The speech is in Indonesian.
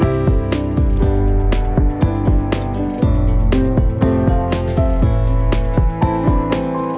enggak lah gak penting